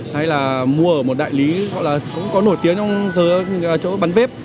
hay là mua ở một đại lý gọi là cũng có nổi tiếng trong chỗ bán vếp